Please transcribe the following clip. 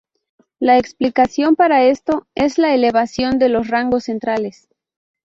La explicación para esto es la elevación de los rangos centrales.